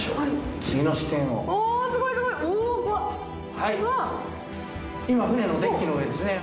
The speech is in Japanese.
はい今船のデッキの上ですね。